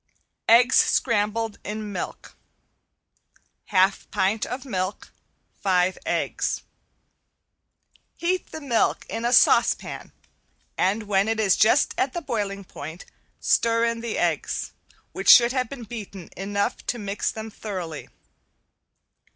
~EGGS SCRAMBLED IN MILK~ Half pint of milk, five eggs. Heat the milk in a saucepan and when it is just at the boiling point stir in the eggs, which should have been beaten enough to mix them thoroughly.